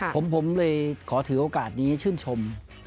ผมความมมืดขอถือโอกาสนี้ชื่นชม